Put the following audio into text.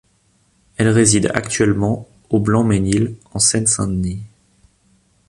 Elle réside actuellement au Blanc-Mesnil, en Seine-Saint-Denis.